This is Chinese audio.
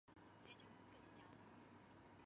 繁衍吧！